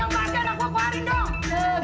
yang pake anak gua kuarin dong